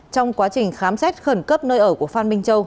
trong quá trình khám xét khẩn cấp nơi ở của phan minh châu